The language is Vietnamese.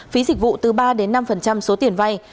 phí dịch vụ từ ba đến năm số tiền vay